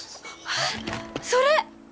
あっそれ！